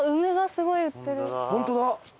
本当だ！